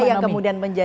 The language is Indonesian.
apa yang kemudian menjadi